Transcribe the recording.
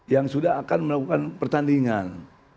yang sudah akan melakukan pertandingan